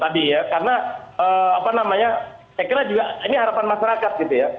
tadi ya karena apa namanya saya kira juga ini harapan masyarakat gitu ya